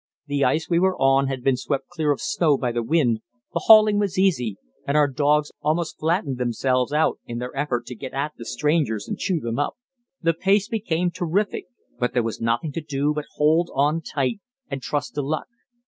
The ice we were on had been swept clear of snow by the wind, the hauling was easy, and our dogs almost flattened themselves out in their effort to get at the strangers and chew them up. The pace became terrific, but there was nothing to do but hold on tight and trust to luck.